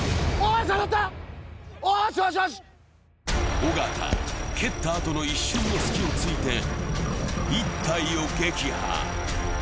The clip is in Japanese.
尾形、蹴ったあとの一瞬の隙を突いて、１体を撃破。